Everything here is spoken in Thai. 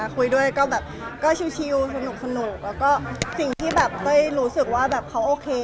คุยด้วยก็ชิวสนุกสิ่งที่ได้รู้สึกว่าเขาโอเค